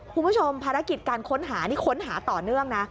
คุณผู้ชมภารกิจการค้นหานี่ค้นหาต่อเนื่องนะ